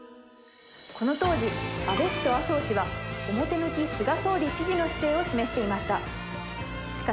この当時、安倍氏と麻生氏は、表向き、菅総理支持の姿勢を示していました。